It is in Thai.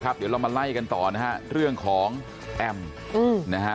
เดี๋ยวเรามาไล่กันต่อนะฮะเรื่องของแอมนะฮะ